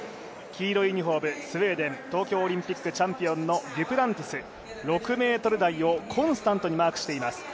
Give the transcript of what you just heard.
黄色いユニフォーム、スウェーデン東京オリンピックチャンピオンのデュプランティス、６ｍ台をコンスタントにマークしています。